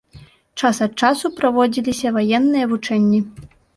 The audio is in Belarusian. Час ад часу праводзіліся ваенныя вучэнні.